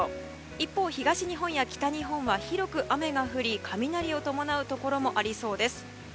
一方、東日本や北日本は広く雨が降り雷を伴うところもありそうです。